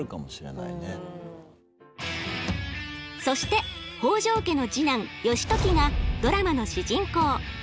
そして北条家の次男義時がドラマの主人公。